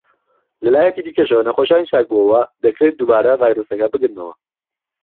لە لایەکی دیکەشەوە، نەخۆشانی چاکبووەوە دەکرێت دووبارە ڤایرۆسەکە بگرنەوە.